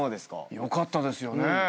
よかったですよね。